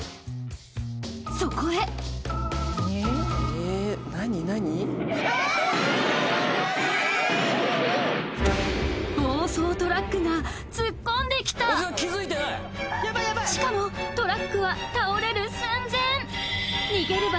そこへ暴走トラックが突っ込んできたしかもトラックは倒れる寸前